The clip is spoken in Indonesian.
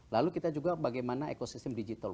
lalu kita juga bagaimana ekosistem digital